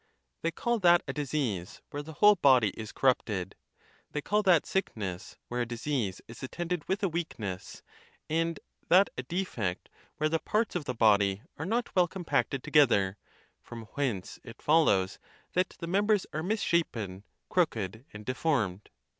They call that a disease where the whole body is corrupt ed; they call that sickness where a disease is attended with a weakness, and that a defect where the parts of the body are not well compacted together; from whence it follows that the members are misshapen, crooked, and deformed.